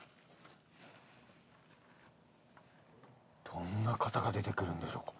どんな方が出てくるんでしょうか。